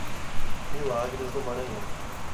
Milagres do Maranhão